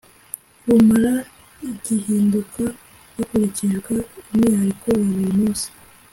bumara gihinduka hakurikijwe umwihariko wa buri munsi